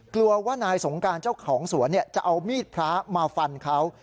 กลัวว่านายสงการเจ้าของสวนจะเอามีดพระมาฟันเขา